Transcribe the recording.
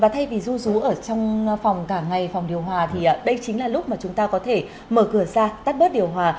thay vì ru rú ở trong phòng cả ngày phòng điều hòa đây chính là lúc chúng ta có thể mở cửa ra tắt bớt điều hòa